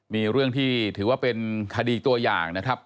มีเรื่องที่ถือว่าเป็นคดีตัวอย่างนะครับ